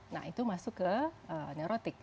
nah itu masuk ke neurotik